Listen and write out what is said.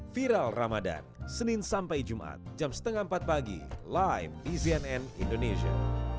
viral ramadan senin sampai jumat jam setengah empat pagi live di cnn indonesia